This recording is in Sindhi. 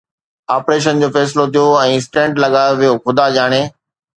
آپريشن جو فيصلو ٿيو ۽ اسٽينٽ لڳايو ويو، خدا ڄاڻي